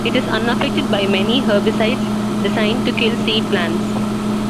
It is unaffected by many herbicides designed to kill seed plants.